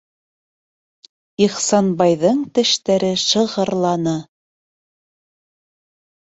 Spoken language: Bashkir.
- Ихсанбайҙың тештәре шығырланы.